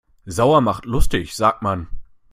Sauer macht lustig, sagt man.